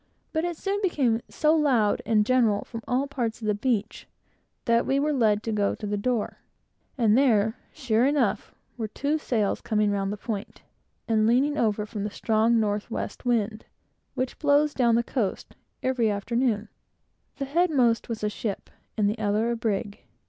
But it soon became so loud and general from all parts of the beach, that we were led to go to the door; and there, sure enough, were two sails coming round the point, and leaning over from the strong north west wind, which blows down the coast every afternoon. The headmost was a ship, and the other, a brig.